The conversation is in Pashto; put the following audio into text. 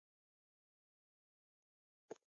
کلي د افغانستان په ستراتیژیک اهمیت کې دي.